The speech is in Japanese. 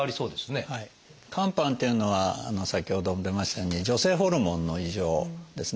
肝斑というのは先ほども出ましたように女性ホルモンの異常ですね。